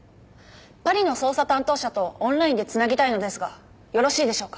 パリの捜査担当者とオンラインで繋ぎたいのですがよろしいでしょうか？